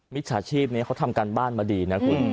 จฉาชีพนี้เขาทำการบ้านมาดีนะคุณ